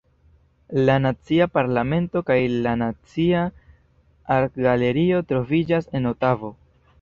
La Nacia Parlamento kaj la Nacia Artgalerio troviĝas en Otavo.